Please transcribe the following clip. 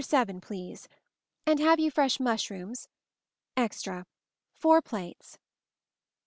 7, please. And have you fresh mushrooms? Extra; four plates."